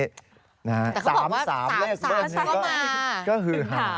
แต่เขาบอกว่าสามสามเลขเบิ้ลนี้ก็ฮือหา